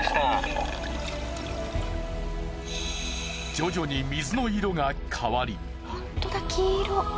徐々に水の色が変わり。